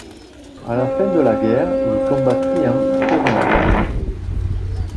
À la fin de la guerre, il combattit en Courlande.